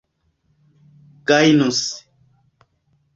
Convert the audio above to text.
gajnus